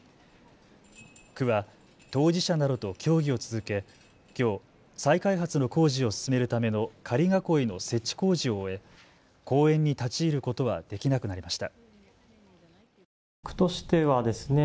区は当事者などと協議を続けきょう、再開発の工事を進めるための仮囲いの設置工事を終え公園に立ち入ることはできなくなりました。